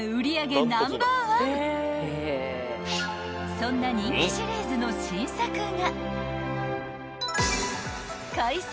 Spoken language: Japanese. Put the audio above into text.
［そんな人気シリーズの新作が］